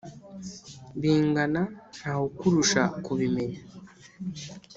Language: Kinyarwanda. Bingana nta wukurusha kubimenya